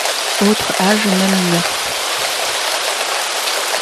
Aultre aage, mesmes mœurs.